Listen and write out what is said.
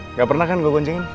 nggak pernah kan gue kuncingin